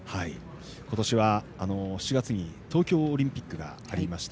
今年は、７月に東京オリンピックがありました。